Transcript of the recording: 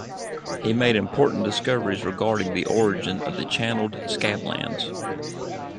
He made important discoveries regarding the origin of the Channeled Scablands.